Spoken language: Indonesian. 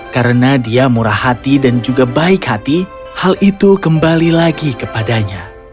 karena dia murah hati dan juga baik hati hal itu kembali lagi kepadanya